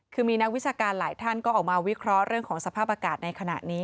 คือมีนักวิชาการหลายท่านก็ออกมาวิเคราะห์เรื่องของสภาพอากาศในขณะนี้